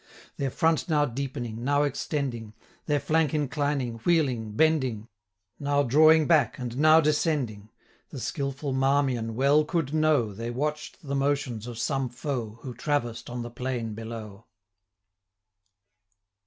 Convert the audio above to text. Their front now deepening, now extending; Their flank inclining, wheeling, bending, Now drawing back, and now descending, 565 The skilful Marmion well could know, They watch'd the motions of some foe, Who traversed on the plain below.